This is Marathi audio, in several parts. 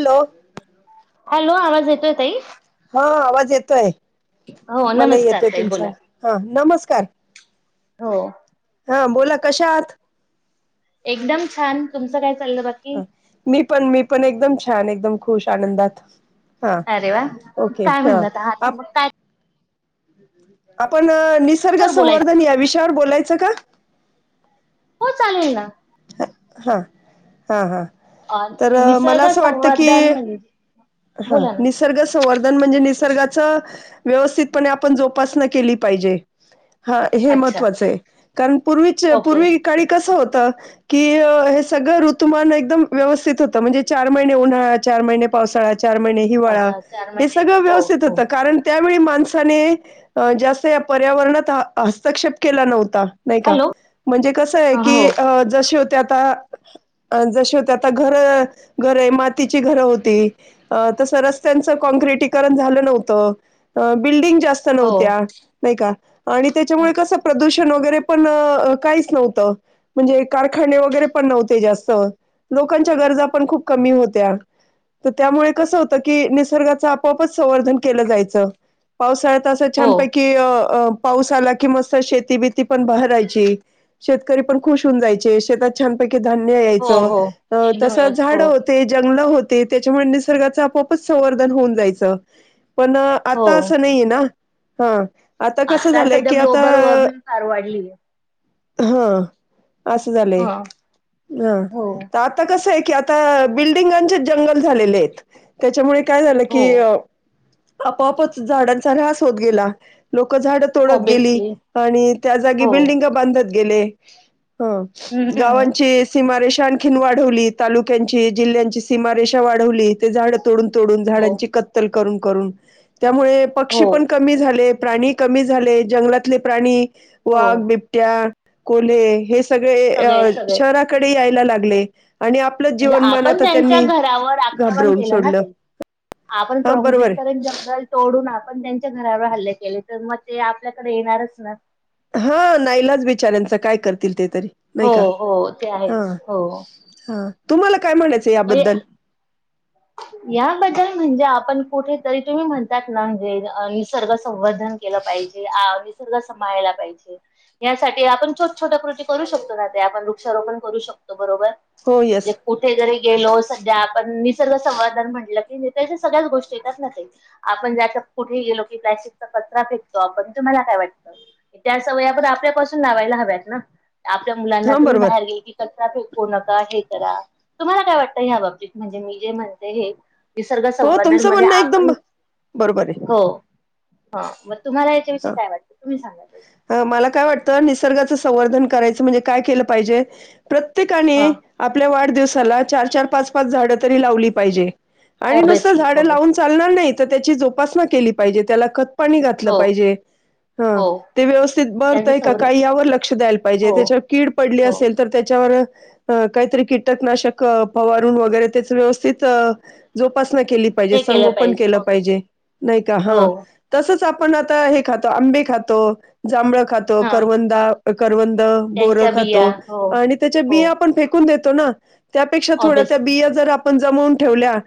हॅलो. हॅलो आवाज येतोय ताई. हा आवाज येतोय हो मला नमस्कार येतोय ताई बोला तुमचा हा नमस्कार. हो. हा बोला कशा आहात. एकदम छान तुमचं काय चाललं बाकी ह मी पण मी पण एकदम छान एकदम खुश आनंदात. हां अरे वा ओके काय हा म्हणत आहात आप मग काय आपण निशर्ग तर बोलायच संवर्धन या विषयावर बोलायचं का? हो चालेल ना. हा हा हां अ तर मला निसर्ग असं वाटतं की संवर्धन म्हणजे हा बोला ना निसर्ग वर्धन म्हणजे निसर्गाच व्यवस्थितपणे आपण जोपासना केली पाहिजे. हा हे अच्छा महत्त्वाचं आहे कारण पूर्वीच्या ओके पूर्वी काळी कसं होतं कि हे सगळं ऋतुमान एकदम व्यवस्थित होतं म्हणजे चार महिने उन्हाळा, चार महिने पावसाळा चार महिने हिवाळा पावसाळा चार हा महिने सगळं हो व्यवथित हो होतं कारण त्यावेळी माणसाने जास्त या पर्यावरणात हस्तक्षेप केला नव्हता. नाही का हॅलो म्हणजे कसं आहे हो की अ जशे होते आता अ जशे होते आता घरं घरं आहे मातीची घरं होती. अ तसं रस्त्यांचं काँक्रिटीकरण झालं नव्हतं, बिल्डिंग जास्त हो नव्हत्या. नाही का आणि त्याच्यामुळे कसं प्रदूषण वगैरे पण काहीच नव्हत. म्हणजे कारखाने वगैरे पण नव्हते जास्त लोकांच्या गरजा पण खूप कमी होत्या. तर त्यामुळे कसं होतं की निसर्गाचं आपोआपच संवर्धन केलं जायचं. पावसाळ्यात असं हो छानपैकी अ अ पाऊस आला कि मस्त शेती बिती पण बहरायची. शेतकरी पण खुश होऊन जायचे शेतात छानपैकी धान्य हो यायचं हो अ एकदम तसं व्यवस्थित झाड हो होते, जंगल होते त्याच्यामुळे निसर्गाचं आपोपच संवर्धन होऊन जायचं पण आता हो असं नाहीय ना. हा आता कसं झालंय सध्या की आता ग्लोबल वॉर्मिंग फार वाढलीय हा असं झाले. ह हो तर आता कसं आहे की आता बिल्डिंगांचे जंगल झालेले आहेत. त्याच्यामुळे काय झालं हो की अ आपोआपच झाडांचा रास होत गेला लोकं झाडं तोडत गेली ऑब्विसली आणि त्या जागी हो बिल्डिंग बांधत गेले हां. हम्म गावांची सीमारेषा आणखीन वाढवली तालुक्यांची जिल्ह्यांची‌ सीमारेषा वाढवली ते झाडं तोडून-तोडून हो झाडांची कत्तल करून-करून. त्यामुळे हो पक्षी पण कमी झाले प्राणी कमी झाले जंगलातले प्राणी हो वाघ, बिबट्या, कोल्हे हे सगळे ए सगळे आ सगळे शहरा कडे यायला लागले आणि आपलं जीवन मनात च्या घरावर आक्रमण केलं ना ताई आपण हा बरोबर आहे काँक्रीटीकरण तेन जंगल तोडून आपण त्यांच्या घरावर हल्ले केले तर मग ते आपल्याकडे येणारच ना. हा नाईलाच बिचार्यांच काय करतील ते तरी नाही हो का हो ते हा. आहेच हो हा तुम्हाला काय म्हणायचं म्हणजे याबद्दल? याबद्दल म्हणजे आपण कुठेतरी तुम्ही म्हणतात ना म्हणजे अ निसर्ग संवर धन केलं पाहिजे निसर्ग सांभाळयला पाहिजे. यासाठी आपण छोट छोट्या कृती करू शकतो ना ते आपण वृक्षारोपण करू शकतो बरोबर. हो म्हणजे येस. कुठे जरी गेलो सध्या आपण निसर्ग संंवादान म्हटलं की नेतच्या सगळ्याच गोष्टी येतात ना ते. आपण जायचे कुठे ही गेलो की प्लास्टिकचा कचरा फेकतो आपण तुम्हाला काय वाटतं? त्या सवय आपण आपल्यापासून लावायला हव्यात ना आपल्या मुलांना हा तुम्ही बरोबर बाहेर गेल की कचरा फेकू नका हे करा तुम्हाला काय वाटतं या बाबतीत म्हणजे मी जे म्हणते हे निसर्ग हो संवर्धन तुमचं म्हणजे म्हणणं एकदम आपण ब- बरोबर आहे हो. हा मग तुम्हाला याच्याविषयी हा काय वाटतं तुम्ही सांगा ते? मला काय वाटतं निसर्गाचं संवर्धन करायचं म्हणजे काय केलं पाहिजे प्रत्येकाने ह आपल्या वाढदिवसाला चार-चार, पाच-पाच झाडं तरी लावली पाहिजे आणि नुसतं ओबेसली झाडं लावून ओबेसली चालणार नाही तर त्याची जोपासना केली पाहिजे त्याला खतपाणी घातलं हो पाहिजे. हा हो ते व्यवस्थित बरतय त्यांचं आहे का सौर काही यावर लक्ष द्यायला पाहिजे हो त्याच्यावर कीड पडली हो असेल तर त्याच्यावर काहीतरी कीटकनाशक फवारून वगैरे त्याच व्यवस्थित जोपासना केली पाहिजे हे संगोपन पाहिजे केलं ओबेसली. पाहिजे नाही का हो हा तसच आ पण आता हे खातो आंबे खातो जांभळ खातो हा करवंदा करवंद बोर त्यांच्या बिया खातो हो आणि त्याच्या हो बिया पण फे कुन देतो ना थोडे त्यापेक्षा ऑब्यसली बिया जर आपण जमवून ठेवल्या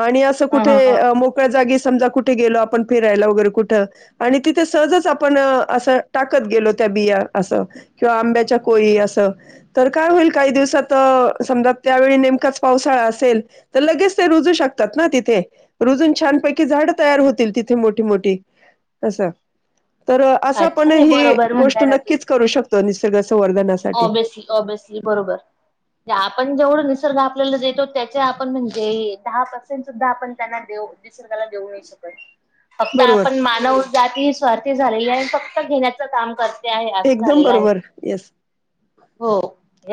आणि अस हा कुठे हा हा मोकळ्या जागी समजा कुठे गेलो आपण फिरायला वगैरे कुठं आणि तिथे सहजच आपण असं टाकत गेलो त्या बिया असं किंवा आंब्याच्या कोळी असं. तर काय होईल काही दिवसात समजा त्यावेळी नेमकाच पावसाळा असेल. तर लगेच ते रुजू शकतात ना तिथे रुजून छानपैकी झाडं तयार होतील तिथे मोठी मोठी. असं तर असा अच्छा पण नाही ही बरोबर गोष्ट म्हणताय नक्कीच करू शकतो निसर्गाचं वर्धन अस. ऑब्ियसली ऑब्ियसली बरोबर आपण जेवढ निसर्ग आपल्याला देतो. आपण म्हणजे दहा पर्सेंट सुद्धा आपण त्यांना दे निसर्गाला देऊ नाही शकत. फक्त बरोबर आपण मानव जात ही स्वार्थी झालेली आहे फक्त घेण्याच काम करतो. एकदम बरोबर! यस हो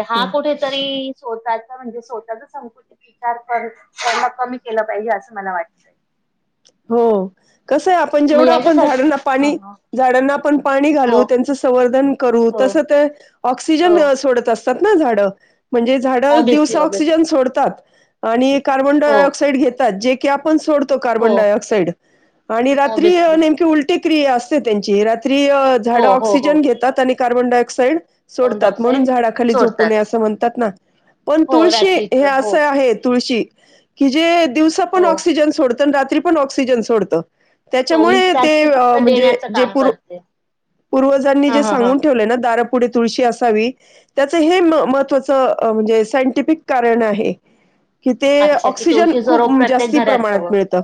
हा कुठेतरी स्वतःचा म्हणजे स्वतःचा संकुचित विचार प कमी केला पाहिजे असं मला वाटतं हो कसं आहे आपण जेवढं मग आपण याच्यासाठी झाडांना पाणी ह झाडांना आपण पाणी घालू हो त्यांच संवर्धन करू हो तसं ते हो ऑक्सिजन सोडत असत झाड म्हणज झा दिव ऑब्विसली ऑब्विसली सज. कार्बन हो डायऑक्साइड घेतात जे क आपणोडतो हो कार्बनडायऑक्स. ड रात ऑब्विसली नेम उ क असते त्यां र. हो झाडा हो हो ऑक्सिजन घेतात आणि कार्बन डायऑक्साइड. कार्बन सोडतात म्हणून डायऑक्साइड झाडाखाली झोपू नये सोडतात असं म्हणतात ना पण हो तुळशी हे रात्रीच हो असं आहे तुळशी की जे दिवसा पण हो ऑक्सिजन सोडतं आणि रात्री पण ऑक्सिजन सोडतं. चोवीस त्याच्यामुळे तास ते फक्त म्हणजे देण्याचं जे काम पूर. करते पूर्वजांनी हा जे हा हा सांगून ठेवलंय ना दारापुढे तुळशी असावी. त्याचं हे महत्त्वाचं म्हणजे सायंटिफिक कारण आहे. कि ते अच्छा कि ऑक्सिजन तुळशीचं खूप रोप प्रत्येक जास्ती घरात प्रमाणात हवं मिळत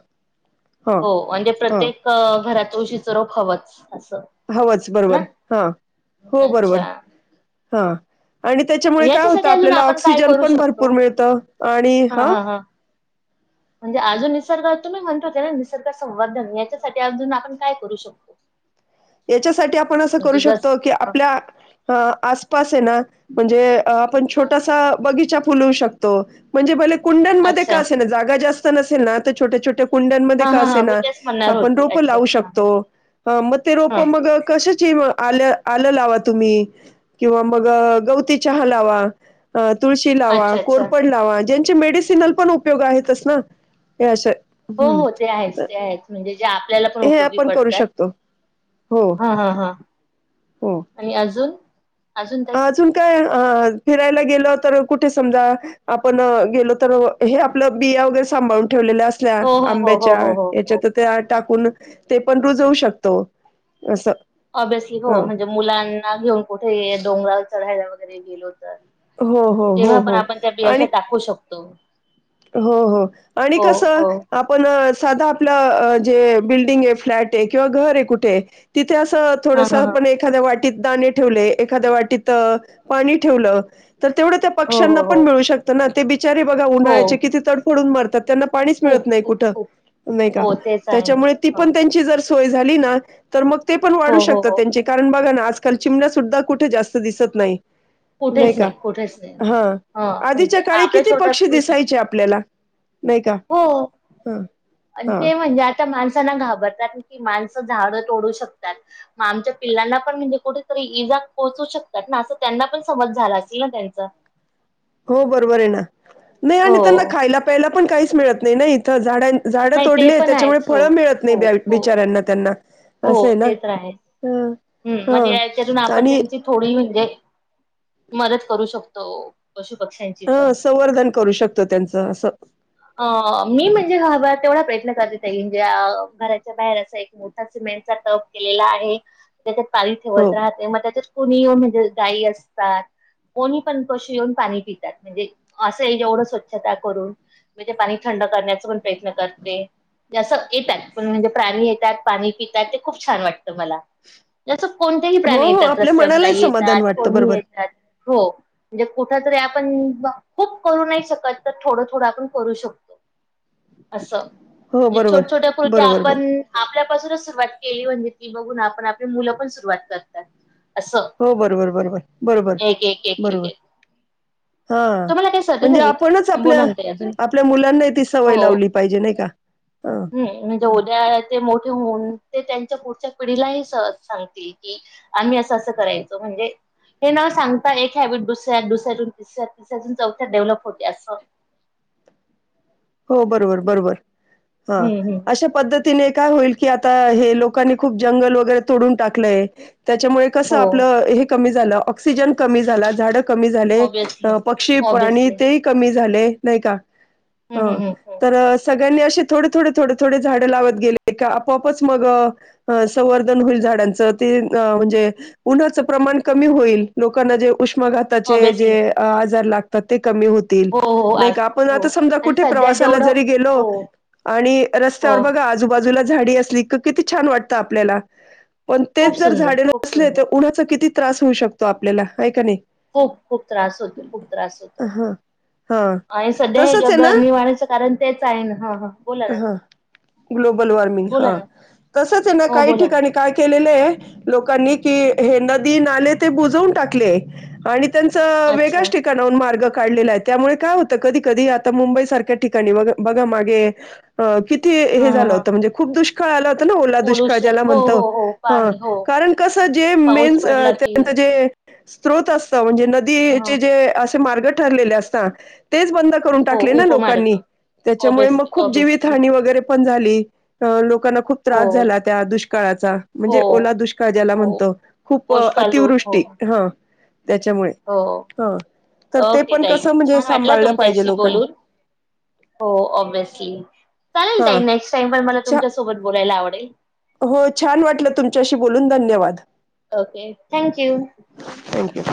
ह हो म्हणजे ह. प्रत्येक घरात उशीचं रोप हवंच असं. हवंच ना बरोबर हा हो अच्छा बरोबर. हा आणि त्याच्यामुळे काय होतं याच्यासाठी अजून आपल्याला आपण काय ऑक्सिजन करू पण शकतो भरपूर मिळत आणि हा म्हणजे अजून निसर्ग तुम्ही म्हणतो त्या ना निसर्ग संवर्धन याच्यासाठी अजून आपण काय करू शकतो याच्यासाठी आपण असं करू म्हणजे जस शकतो की आपल्या आसपास हे ना म्हणजे आपण हा छोटासा बगीचा फुलवू शकतो म्हणजे बले कुंड्यांमध्ये अच्छा काय असे ना जागा जास्त नसेल ना तर छोटे छोटे कुंड्यां मध्ये हा का हा अस हा मी ना तेच म्हणणार आपण होते रोप अच्छा लावू हा हा शकतो मग ते रोप हा म कशाची आल आलं लावा तुम्ही किंवा मग गवती चहा लावा तुळशी लावा अच्छा अच्छा कोरपड लावा जे मेडिसनल पण उपयोग आहेत च ना हे असे हो हं. हो ते आहेच तर ते आहेच म्हणजे जे आपल्याला पण हे उपयोगी आपण करू पडतात शकतो. हो, हा हा हा हो. आणि अजून अजून ताई अजून काय अ फिरायला गेल तर कुठे समजा आपण गेलो तर हे आपलं बिया वगैरे सांभाळून ठेवलेलं अस हो हो हो हो आंब्याच्या हो हो हो याच्यात त्या टाकून ते पण रुजवू शकतो असं ऑब्ियसली हो ह म्हणजे मुलांना घेऊन कुठे डोंगरावर चढायला वगैरे गेलो तर हो हो हो तेव्हा पण हो आपण त्या बियाश आणि टाकवू शकतो हो हो आणि हो कस हो पण साधा आपलं जे बिल्डिंग आहे फ्लॅट आहे किंवा घर आहे कुठे आहे तिथे असं हा थोडस हा हा पण एखाद्या वाटीत दाणे ठेवले एखाद्या वाटीत पाणी ठेवलं तर तेवढं त्या हो पक्षांना हो पण हो मिळू शकतं ना ते बिचारे बघा हो उन्हाळ्याचे किती तडफडून मारतात त्यांना पाणीच मिळत खूप नाही खूप कुठ खूप नाही का हो तेच आहे त्याच्यामुळे ती हा पण त्यांची जर सोय झाली ना तर मग ते पण वाढू हो हो शकतात हो त्यांचे कारण बघा ना आजकाल चिमण्या सुद्धा कुठे जास्त दिसत नाही नाही कुठेच का कुठेच नाही हा ह म्हणजे आधीच्या काळी आपल्या किती छोट्या पक्षी कृतीतून दिसायचे आपल्याला नाही का? हो हा हा ते म्हणजे आ माणसांना घाबरतात की माणसं झाडं तोडू शकतात. मग आमच्या पिल्लांना पण म्हणजे कुठेतरी इजा पोहोचू शकतात ना असं त्यांना पण समज झालं असेल ना त्यांच हो बरोबर आहे ना नाही आणि हो त्यांना खायला प्यायला पण काहीच मिळत नाही ना इथं झाडां झाड नाही ते तोडली पण त्याच्यामुळे आहेच हो फळ मिळत हो नाही हो बिचाऱ्यांना त्यांना असं आहे ना. हम हम् म्हण याच्यातून आपण त्यांची थोडी म्हणजे मदत करू शकतो पशु पक्ष्यांची ह पण संवर्धन करू शकतो त्यांचं असं. अ मी म्हणजे ह तेवढा प्रयत्न करतेजे घराच्या बाहेर असा एक मोठ सिमेंटचा टप केलेला आहे त्याच्यात पाणी हो ठेवत राहते मग त्याच्यात कुणी म्हणजे गायी असतात. कोणी पण कशी येऊन पाणी पितात म्हणजे असं हे जेवढं स्वच्छता करून. मी ते पाणी थंड करण्याचा पण प्रयत्न करते. जसं येतात पण म्हणजे प्राणी येतात पाणी पितात ते खूप छान वाटतं मला जसं कोणत्याही हो प्राणी हो येतात आपल्या रस्त्यावर मनालाही गाई समाधान येतात वाटतं कोणीही बरोबर येतात हो. म्हणजे कुठ तरी आपण खूप करू नाही शकत तर थोडं थोडं आपण करू शकतो. असं हो म्हे बरोबर छोट छोट्या फुलक्या बरोबर बर आपण आपल्यापासूनच सुरुवात केली म्हणजे की बघून आपण आपली मुलं पण सुरुवात करतात. असं हो बरोबर बरोबर बरोबर एक एक एक एक बरोबर. एक हा तुम्हाला काही सर्दी म्हणजे झाली आपणच का? आपल्या बोला ना ताई अजून आपल्या मुलांना ती सवय लावली पाहिजे नाही का? हा ह उद्या ते मोठे होऊन ते त्यांच्या पुढच्या पिढीलाही सहज सांगते की? आम्ही असं असं करायचो म्हणजे हे न सांगता एक हॅबिट दुसऱ्यात दुसऱ्यातून तिसऱ्यात अजून चौथ्यात डेव्हलप होते असं. हो बरोबर बरोबर हा हम्म हम्म हम्म. अशा पद्धती तिने काय होईल की आता हे लोकांनी खूप जंगल वगैरे तोडून टाकलंय त्याच्यामुळे बस आपल हो हे कमी झालं ऑक्सीजन कमी झालं झाड कमी झाले ऑब्विसली पक्षी आणि ऑब्विसली ते कमी झाले नाही का? हम्म हा हम्म हम्म तर सगळ्यांनी असे थोडे थोडे थोडे थोडे झाडं लावत गेले का आपोपच मग अ संवर्धन होईल झाडांचं ते अ म्हणजे उन्हाचं प्रमाण कमी होईल लोकांना जे उष्मा घात. ऑब्विसली आजात क हो हो हो नाही आज आपण हो आणि क सध्या प्रवासाला जेवढं जरी गेलो हो आणि हो रस्त्यावर ब आजूबाजूला झाडी असली क किती छान वाटतं आपल्या पण तेच खूप जर सुंदर झाडे खूप नसले सुंदर तर उन्हाचा किती त्रास होऊ शकतो आपल्याला आहे का नाही. खूप खूप त्रास होतो खूप त्रास होतो. हां, हां. आणि सध्या हे तसंच आहे ना? गरमी वाढायचं कारण तेच आहे ना हा हा बोला ना हां. तू ग्लोबल वॉर्मिंग हा तसच आहे ना हो काही बोला ठिकाणी काय केलं लोकांनी क हे ना नदी नाले ते बुजवून टाकले आणि त्यांचं अच्छा वेगळ्याच ठिकाणाहून मार्ग काढलेला आहे त्यामुळे काय होतं कधी कधी आता मुंबई सारख ठिकाणी बघा, मागे किती हा हे झालं हा होतं म्हणजे खुप दुष्काळ दुष्काळ आला होता ना ओ पोल्युशन दुष्काळ्याला हो म्हणतंओ. हो हो हा पाणी हो कारण कसं जे मेन पाऊस पडला की त्यांचं जे स््रोत असत म्हणजे ह नदीचे जे असे मार्ग ठरलेले असात तेच बंद हो टाकले ना उपमार्ग लोकांनी त्याच्यामुळे ऑबियसली खूप जीवित ऑबियसली हनी वगैरे पण झाली लोकांना खूप हो त्रास झाला त्या दुष्काळाचा हो म्हणजे ओला दुष्काळ ज्याला हो म्हणतो. खूप कोशकालू हो अतिवृष्टी ह त्याच्यामुळे हो हा तर ते ओके पण ताई कसं म्हणजे छान वाटला सांभाळलं पाहिजे तुमच्याशी लोकांनी बोलून हो ऑब्विसली चालेल हा. ताई नेक्स्ट टाइम पण मला छ तुमच्या सोबत बोलायला आवडेल हो छान वाटलं तुमच्याशी बोलून धन्यवाद ओके थँक्यू थँक्यू